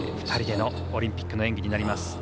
２人でのオリンピックの演技になります。